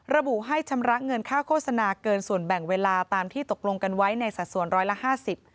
ระบุให้ชำระเงินค่าโฆษณาเกินส่วนแบ่งเวลาตามที่ตกลงกันไว้ในสัดส่วนร้อยละห้าสิบ